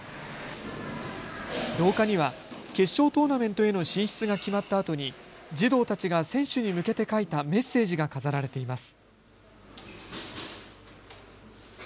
廊下には決勝トーナメントへの進出が決まったあとに児童たちが選手に向けて書いたメッセージが飾られています。